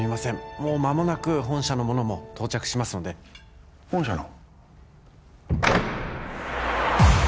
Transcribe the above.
もう間もなく本社の者も到着しますので本社の？